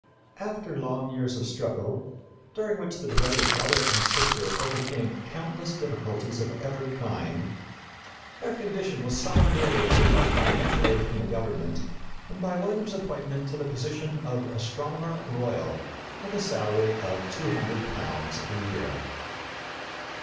After long years of struggle, during which the devoted brother and sister overcame countless difficulties of every kind, their condition was somewhat ameliorated by financial aid from the government and by William's appointment to the position of astronomer royal with a salary of £200 a year.